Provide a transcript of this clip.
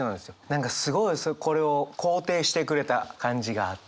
何かすごいこれを肯定してくれた感じがあって。